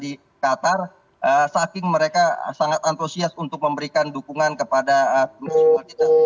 di qatar saking mereka sangat antusias untuk memberikan dukungan kepada mahasiswa kita